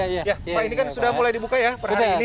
ya pak ini kan sudah mulai dibuka ya per hari ini